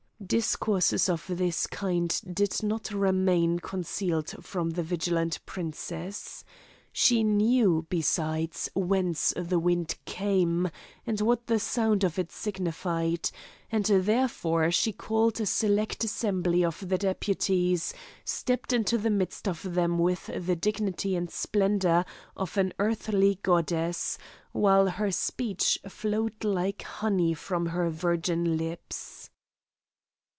Discourses of this kind did not remain concealed from the vigilant princess. She knew, besides, whence the wind came, and what the sound of it signified; and, therefore, she called a select assembly of the deputies, stepped into the midst of them with the dignity and splendour of an earthly goddess, while her speech flowed like honey from her virgin lips.